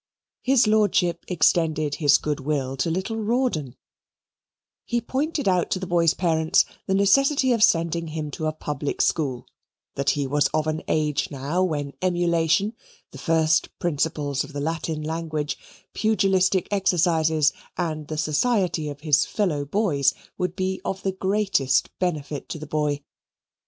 His lordship extended his good will to little Rawdon: he pointed out to the boy's parents the necessity of sending him to a public school, that he was of an age now when emulation, the first principles of the Latin language, pugilistic exercises, and the society of his fellow boys would be of the greatest benefit to the boy.